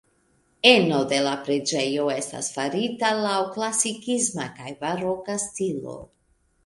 Eno de la preĝejo estas farita laŭ klasikisma kaj baroka stilo.